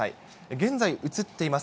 現在、映っています